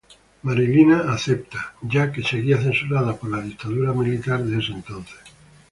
Marilina acepta ya que seguía censurada por la dictadura militar de ese entonces.